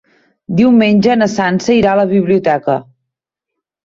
Diumenge na Sança irà a la biblioteca.